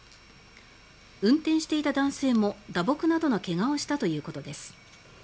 運転していた男性も打撲などの怪我をしたということです。